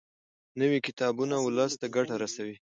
نوي کتابونه ولس ته ګټه رسوي.